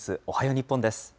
おはよう日本です。